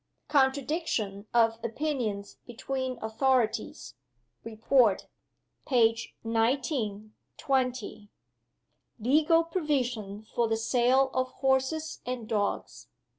Contradiction of opinions between authorities. Report, pages XIX., XX. Legal provision for the sale of horses and dogs.